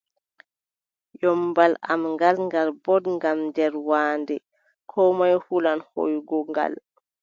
Ƴommbal am ngal, ngal booɗngal nder waande, koo moy hulan hooygo ngal.